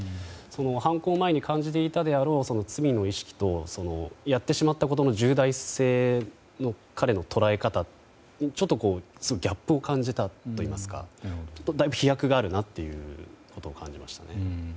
犯行前に感じていたであろう罪の意識とやってしまったことの重大性の彼の捉え方にちょっとギャップを感じたといいますかだいぶ飛躍があるなということを感じましたね。